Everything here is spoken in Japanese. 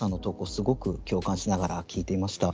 すごく共感しながら聞いていました。